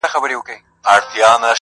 د حق وینا یمه دوا غوندي ترخه یمه زه,